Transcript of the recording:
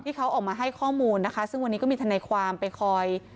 เขาออกมาให้ข้อมูลนะคะซึ่งวันนี้ก็มีทนายความไปคอย